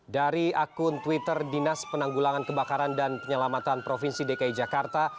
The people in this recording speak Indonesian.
dari akun twitter dinas penanggulangan kebakaran dan penyelamatan provinsi dki jakarta